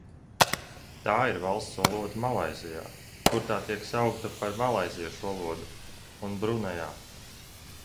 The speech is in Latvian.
Tā ir valsts valoda Malaizijā, kur tā tiek saukta par malaiziešu valodu, un Brunejā.